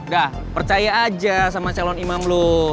gak percaya aja sama calon imam lo